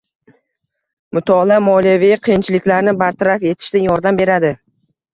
Mutolaa moliyaviy qiyinchiliklarni bartaraf etishda yordam beradi.